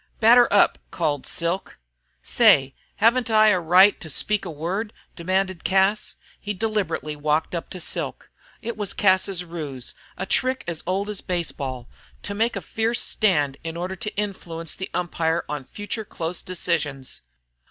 "Batter up," called Silk. "Say, haven't I a right to speak a word?" demanded Cas. He deliberately walked up to Silk. It was Cas's ruse, a trick as old as baseball, to make a fierce stand in order to influence the umpire on future close decisions.